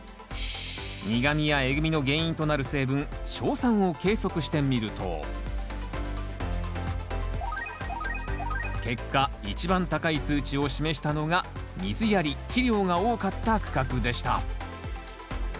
苦みやえぐみの原因となる成分硝酸を計測してみると結果一番高い数値を示したのが水やり肥料が多かった区画でした。